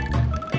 sampai jumpa lagi